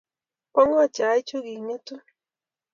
bo ng'o chaichu king'etu?